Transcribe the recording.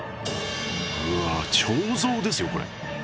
うわ彫像ですよこれ。